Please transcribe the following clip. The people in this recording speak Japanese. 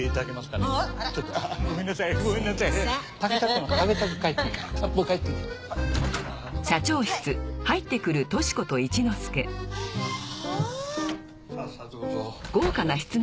さあさあどうぞ。